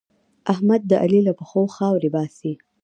احمد د علي له پښو خاورې باسي.